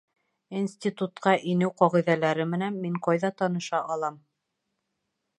Институтҡа инеү ҡағиҙәләре менән мин ҡайҙа таныша алам?